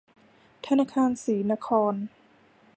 ธนาคารศรีนคร